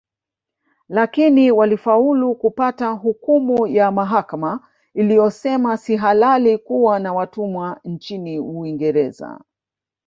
Lakini walifaulu kupata hukumu ya mahakama iliyosema si halali kuwa na watumwa nchini Uingereza